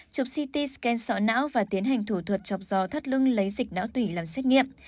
chụp ct scan sọ não và tiến hành thủ thuật chọc dò thắt lưng lấy dịch não tủy làm xét nghiệm